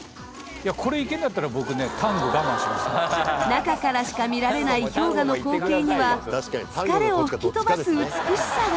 中からしか見られない氷河の光景には疲れを吹き飛ばす美しさが。